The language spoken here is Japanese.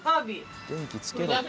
電気つけろって。